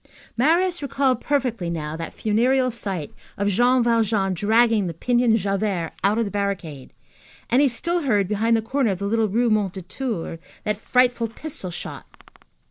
Marius recalled perfectly now that funereal sight of Jean Valjean dragging the pinioned Javert out of the barricade, and he still heard behind the corner of the little Rue Mondétour that frightful pistol shot.